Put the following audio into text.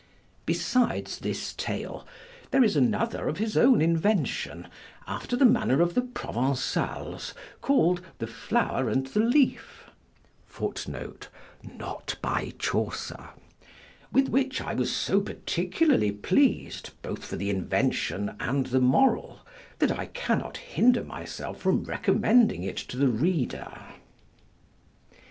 Besides this tale, there is another of his own invention, after the manner of the Provençals, call'd The Flower and the Leaf, with which I was so particularly pleas'd, both for the invention and the moral, that I cannot hinder myself from recommending it to the reader.